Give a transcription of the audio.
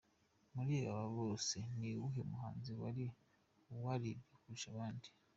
Muri aba bose ni uwuhe muhanzi wari warimbye kurusha abandi?.